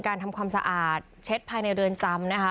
ทำความสะอาดเช็ดภายในเรือนจำนะคะ